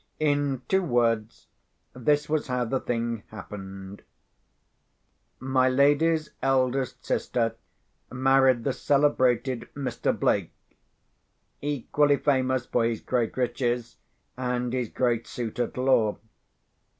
In two words, this was how the thing happened: My lady's eldest sister married the celebrated Mr. Blake—equally famous for his great riches, and his great suit at law.